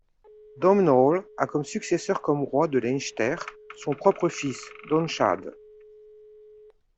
Domnall a comme successeur comme roi de Leinster son propre fils, Donnchad.